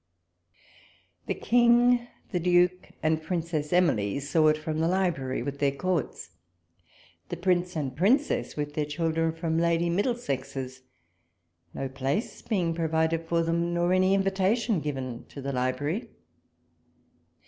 The King, the Duke, and Princess Emily saw it from the Library, with their courts : the Prince and Princess, with their children, from Lady Middlesex's ; no place being provided for them, nor any invitation given to the libi'ary.